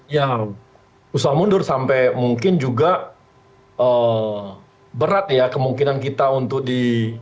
ya susah mundur sampai mungkin juga berat ya kemungkinan kita untuk di